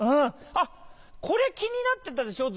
あっこれ気になってたでしょ？